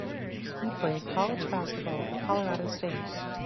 He played college basketball for Colorado State.